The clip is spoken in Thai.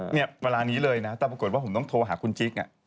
เนี่ยเวลานี้เลยนะแต่ปรากฏว่าผมต้องโทรหาคุณจิ๊ก